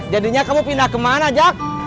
jadinya kamu pindah kemana jak